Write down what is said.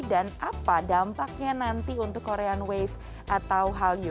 dan apa dampaknya nanti untuk korean wave atau hallyu